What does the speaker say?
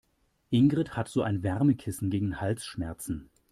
Ingrid hat so ein Wärmekissen gegen Halsschmerzen.